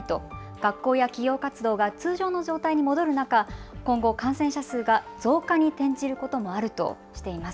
学校や企業活動が通常の状態に戻る中、今後、感染者数が増加に転じることもあるとしています。